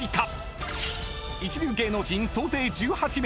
［一流芸能人総勢１８名］